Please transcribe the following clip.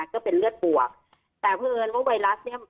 ก็เป็นเลือดบวกแต่เพราะเอิญว่าไวรัสเนี่ย